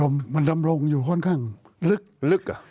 มันดำรงอยู่ค่อนข้างลึก